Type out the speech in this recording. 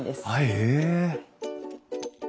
へえ。